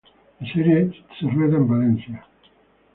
La serie de rueda en Valencia.